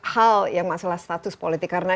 hal yang masalah status politik karena